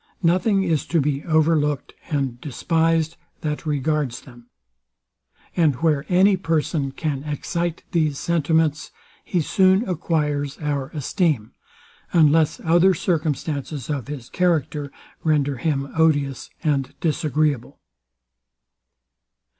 Nothing is to be over looked and despised, that regards them. And where any person can excite these sentiments, he soon acquires our esteem; unless other circumstances of his character render him odious and disagreeable.